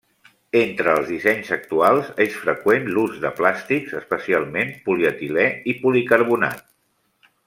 Entre els dissenys actuals és freqüent l'ús de plàstics, especialment polietilè i policarbonat.